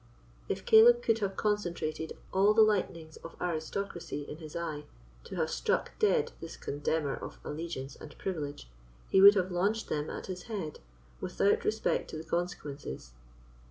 If Caleb could have concentrated all the lightnings of aristocracy in his eye, to have struck dead this contemner of allegiance and privilege, he would have launched them at his head, without respect to the consequences.